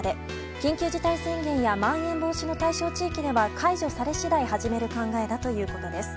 緊急事態宣言やまん延防止の対象地域では解除され次第始める考えだということです。